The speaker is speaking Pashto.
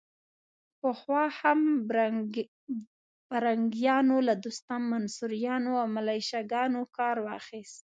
پخوا هم پرنګیانو له دوستم، منصوریانو او ملیشه ګانو کار واخيست.